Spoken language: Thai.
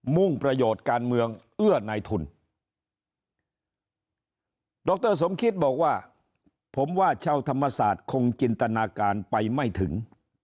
มุ่งประโยชน์การเมืองเอื้อนายทุนดรสมคิตบอกว่าผมว่าชาวธรรมศาสตร์คงจินตนาการไปไม่ถึง